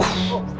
aku mau ke kamar